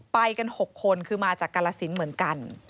ไปกัน๖คนคือมาจากกาลสินเหมือนกัน